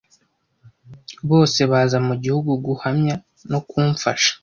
Bose baza mugihugu guhamya no kumfasha.